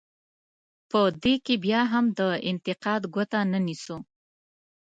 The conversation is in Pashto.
په دې کې بیا هم د انتقاد ګوته نه نیسو.